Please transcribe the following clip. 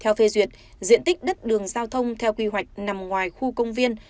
theo phê duyệt diện tích đất đường giao thông theo quy hoạch nằm ngoài khu công viên